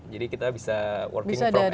jadi kita bisa working from anywhere